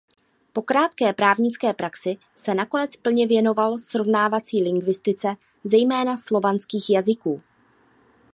Po krátké právnické praxi se nakonec plně věnoval srovnávací lingvistice zejména slovanských jazyků.